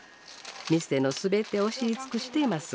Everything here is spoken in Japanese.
店の全てを知り尽くしています。